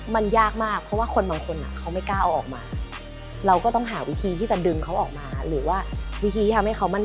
มันยากมากเพราะว่าคนบางคน